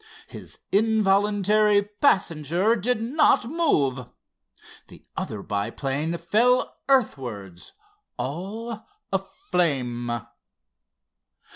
His involuntary passenger did not move. The other biplane fell earthwards all aflame.